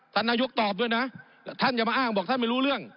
ท่านนายกตอบด้วยนะท่านอย่ามาอ้างบอกท่านไม่รู้เรื่อง